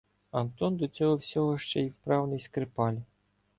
Антон до цього всього ще й вправний скрипаль.